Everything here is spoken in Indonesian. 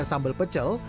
pedasnya sambal pecel